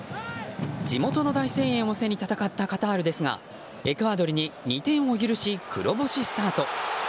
地元の大声援を背に戦ったカタールですがエクアドルに２点を許し黒星スタート。